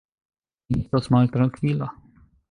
Mi estas maltrankvila.